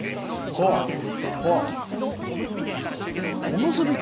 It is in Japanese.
香川県高松市のおむすび店から中継でお伝えします。